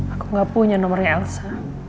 aku gak punya nomernya elsa